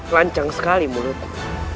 lancang sekali mulutku